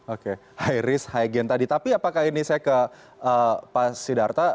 oke high risk high gen tadi tapi apakah ini saya ke pak sidharta